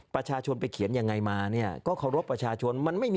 ประชาชนไปเขียนอย่างไรมาเนี่ยก็ขอรบประชาชน